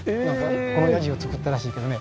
この屋地を造ったらしいけどね